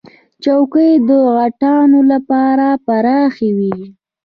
چوکۍ د غټانو لپاره پراخه وي.